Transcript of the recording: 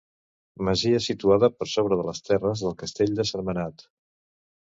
Masia situada per sobre de les terres del castell de Sentmenat.